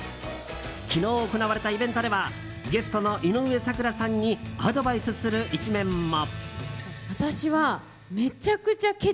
昨日行われたイベントではゲストの井上咲楽さんにアドバイスする一面も。